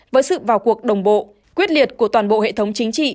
với sự vào cuộc đồng bộ quyết liệt của toàn bộ hệ thống chính trị